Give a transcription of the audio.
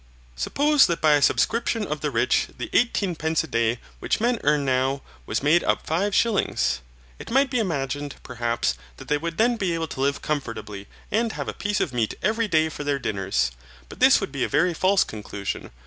Suppose that by a subscription of the rich the eighteen pence a day which men earn now was made up five shillings, it might be imagined, perhaps, that they would then be able to live comfortably and have a piece of meat every day for their dinners. But this would be a very false conclusion.